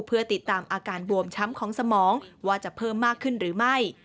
เพื่อติดตามอาการบวมช้ำของสมองว่าจะเพิ่มมากขึ้นหรือไม่